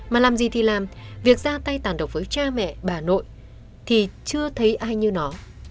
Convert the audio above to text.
mà làm gì thì làm việc ra tay tàn độc với cha mẹ bà nội thì chưa thấy ai như nó